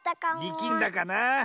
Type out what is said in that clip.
りきんだかな。